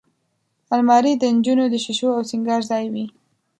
الماري د نجونو د شیشو او سینګار ځای وي